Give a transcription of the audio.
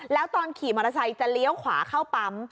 แล้วตอนขี่มอเตอร์ไซค์จะเลี้ยวขวาเข้าปั๊ม